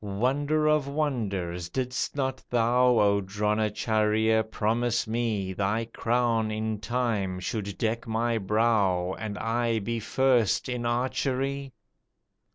"Wonder of wonders! Didst not thou O Dronacharjya, promise me Thy crown in time should deck my brow And I be first in archery?